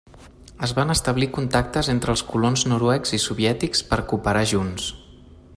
Es van establir contactes entre els colons noruecs i soviètics per cooperar junts.